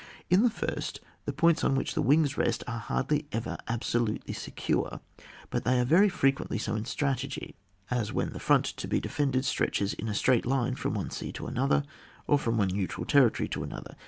In the first, the points on which the wings rest are hardly ever absolutely secure; but they are very frequently so in strategy, as when the front to be defended stretches in a straight line from one sea to another, or from one neutral territory to another.